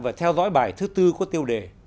vừa theo dõi bài thứ bốn của tiêu đề